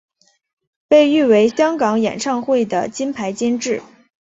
被誉为香港演唱会的金牌监制。